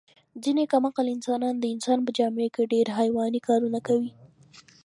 ځنې کم عقل انسانان د انسان په جامه کې ډېر حیواني کارونه کوي.